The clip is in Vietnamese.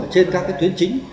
trên các cái tuyến chính